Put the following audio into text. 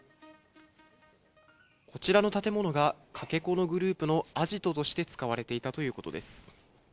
こちらの建物がかけ子のグループのアジトとして使われていたということです。